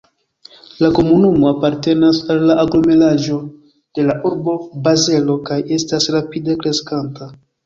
La komunumo apartenas al la aglomeraĵo de la urbo Bazelo kaj estas rapide kreskanta.